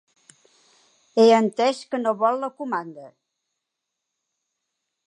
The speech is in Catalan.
He entès que no vol la comanda.